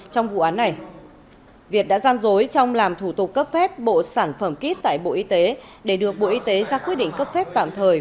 trong vụ án này việt đã gian dối trong làm thủ tục cấp phép bộ sản phẩm kit tại bộ y tế để được bộ y tế ra quyết định cấp phép tạm thời